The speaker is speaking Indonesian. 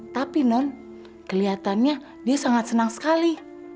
tapi non kelihatannya dia sangat senang sekali